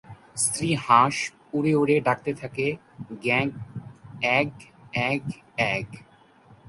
স্ত্রী হাঁস উড়ে উড়ে ডাকতে থাকে "গ্যাগ্...অ্যাগ্...অ্যাগ্...অ্যাগ্"।